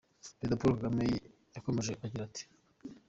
Perezida Paul Kagame yakomeje agira ati: .